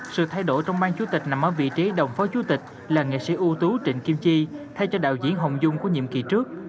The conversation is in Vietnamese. sự thay đổi trong mang chủ tịch nằm ở vị trí đồng phó chủ tịch là nghệ sĩ ưu tú trịnh kim chi thay cho đạo diễn hồng dung của nhiệm kỳ trước